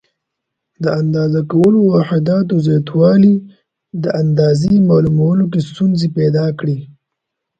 د اندازه کولو واحداتو زیاتوالي د اندازې معلومولو کې ستونزې پیدا کړې.